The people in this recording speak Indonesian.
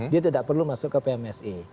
dia tidak perlu masuk ke pmse